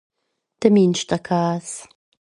De Minschterkaas